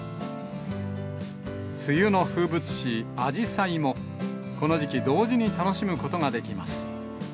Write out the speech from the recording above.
梅雨の風物詩、あじさいも、この時期、同時に楽しむことができます。